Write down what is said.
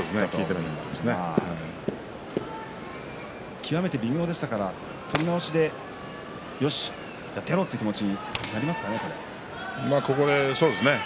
極めて微妙でしたから取り直しでよしやってやろうというそうですね。